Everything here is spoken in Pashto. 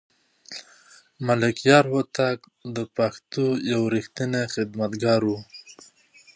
ملکیار هوتک د پښتو یو رښتینی خدمتګار و.